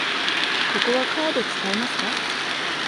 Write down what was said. ここはカード使えますか？